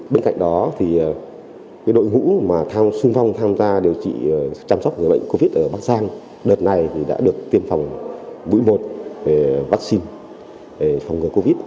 bên cạnh đó đội ngũ xung phong tham gia điều trị chăm sóc bệnh covid một mươi chín ở bắc giang đợt này đã được tiêm phòng mũi một vắc xin để phòng ngừa covid một mươi chín